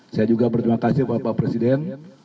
saya juga berterima kasih bapak presiden